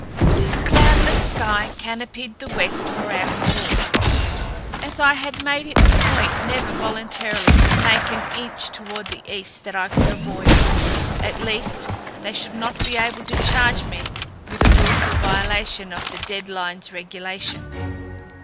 A cloudless sky canopied the west for our sport, as I had made it a point never voluntarily to make an inch toward the east that I could avoid. At least, they should not be able to charge me with a willful violation of the dead lines regulation.